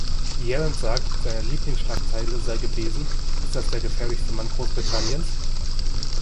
Yelland sagt, seine Lieblingsschlagzeile sei gewesen: Ist das der gefährlichste Mann Großbritanniens?